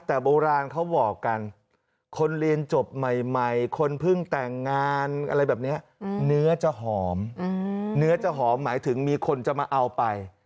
อะไรแบบเนี้ยเนื้อจะหอมอืมเนื้อจะหอมหมายถึงมีคนจะมาเอาไป